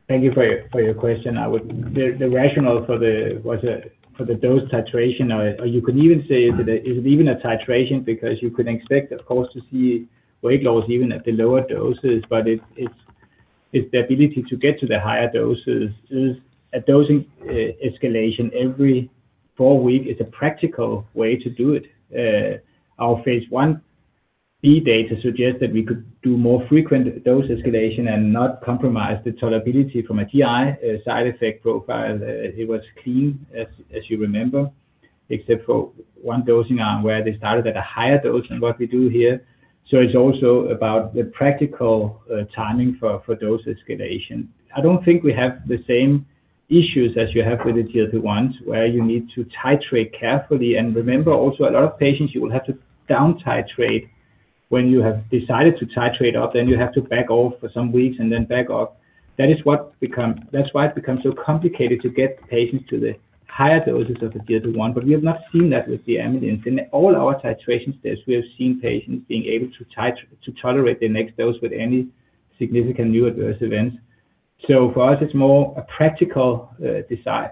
Thank you for your question. The rationale for the dose titration, or you could even say is it even a titration because you could expect, of course, to see weight loss even at the lower doses. But it's the ability to get to the higher doses. At dosing escalation every four weeks is a practical way to do it. Our Phase I-B data suggests that we could do more frequent dose escalation and not compromise the tolerability from a GI side effect profile. It was clean, as you remember, except for one dosing arm, where they started at a higher dose than what we do here. So it's also about the practical timing for dose escalation. I don't think we have the same issues as you have with the GLP-1, where you need to titrate carefully. And remember also a lot of patients, you will have to down titrate. When you have decided to titrate up, then you have to back off for some weeks and then back off. That's why it becomes so complicated to get the patients to the higher doses of the GLP-1. But we have not seen that with the amylins. In all our titration studies, we have seen patients being able to titrate, to tolerate the next dose with any significant new adverse events. So for us, it's more a practical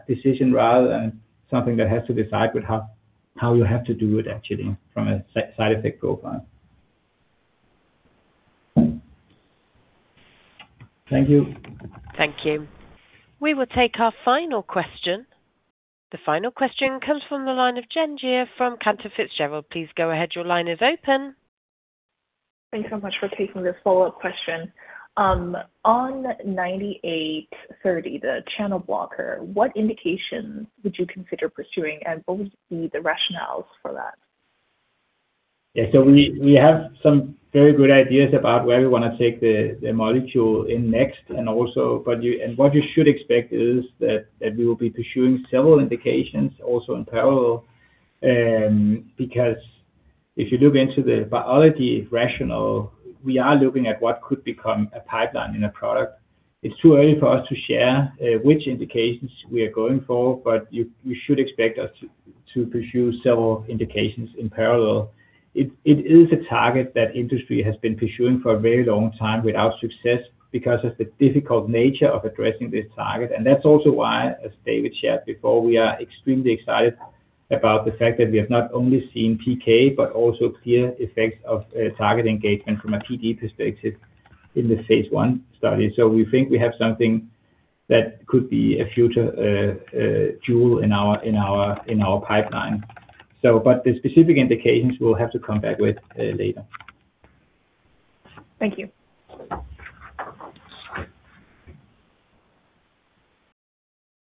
decision, rather than something that has to decide with how you have to do it, actually, from a side effect profile. Thank you. Thank you. We will take our final question. The final question comes from the line of Jen Jia from Cantor Fitzgerald. Please go ahead. Your line is open. Thanks so much for taking this follow-up question. On 9830, the channel blocker, what indications would you consider pursuing, and what would be the rationales for that? Yeah. So we have some very good ideas about where we wanna take the molecule next. And what you should expect is that we will be pursuing several indications in parallel. Because if you look into the biology rationale, we are looking at what could become a pipeline in a product. It's too early for us to share which indications we are going for, but you should expect us to pursue several indications in parallel. It is a target that industry has been pursuing for a very long time without success, because of the difficult nature of addressing this target. And that's also why, as David shared before, we are extremely excited about the fact that we have not only seen PK, but also clear effects of target engagement from a PD perspective in the Phase I study. So we think we have something that could be a future jewel in our pipeline. So, but the specific indications we'll have to come back with later. Thank you.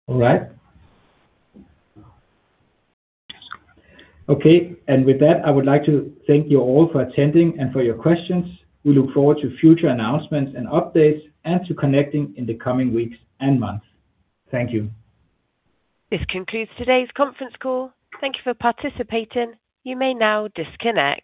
All right. Okay, and with that, I would like to thank you all for attending and for your questions. We look forward to future announcements and updates, and to connecting in the coming weeks and months. Thank you. This concludes today's conference call. Thank you for participating. You may now disconnect.